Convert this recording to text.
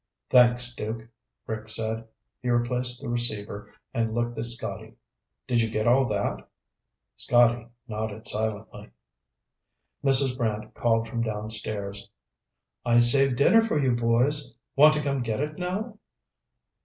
"Thanks, Duke," Rick said. He replaced the receiver and looked at Scotty. "Did you get all that?" Scotty nodded silently. Mrs. Brant called from downstairs. "I saved dinner for you, boys. Want to come get it now?"